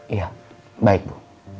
iya baik bu